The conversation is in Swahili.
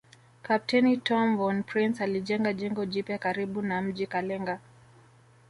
Kapteni Tom von Prince alijenga jengo jipya karibu na mji Kalenga